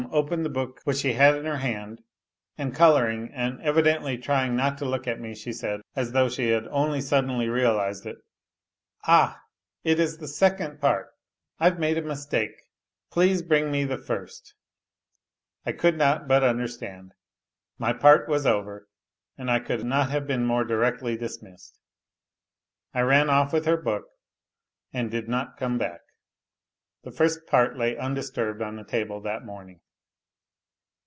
opened the book which she had in her hand, and colouring and evidently trying not to look at me she said, as Chough she had only suddenly realized it " All ! It is the second part. I've made a mistake; please bring me the first." I could not but understand. My part was over, and I could not have been more directly dismissed. I ran off with her book and did not come back. The first part lay undisturbed on the table that morning.